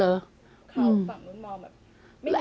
เขาสำนวนมองแบบ